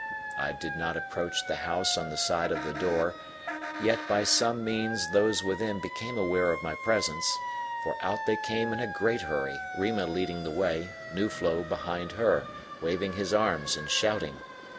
I did not approach the house on the side of the door, yet by some means those within became aware of my presence, for out they came in a great hurry, Rima leading the way, Nuflo behind her, waving his arms and shouting.